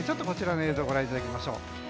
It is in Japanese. こちらの映像ご覧いただきましょう。